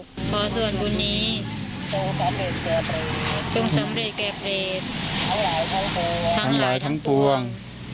ขอสวนบุญนี้จงสำเร็จแก่เพรตทั้งหลายทั้งปวง